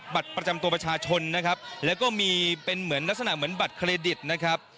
บัตรประจำตัวประชาชนนะครับแล้วก็มีเป็นเหมือนลักษณะเหมือนบัตรเครดิตนะครับ